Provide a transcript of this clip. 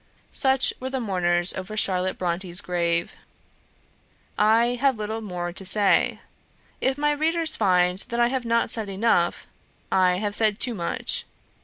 Such were the mourners over Charlotte Brontë's grave. I have little more to say. If my readers find that I have not said enough, I have said too much.